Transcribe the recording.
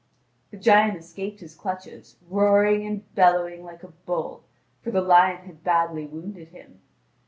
The giant escaped his clutches, roaring and bellowing like a bull, for the lion had badly wounded him.